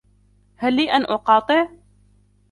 هل لي أن أقاطع ؟